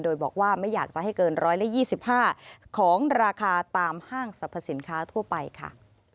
โดยบอกว่าไม่อยากจะให้เกิน๑๒๕ของราคาตามห้างสรรพสินค้าทั่วไปค่ะ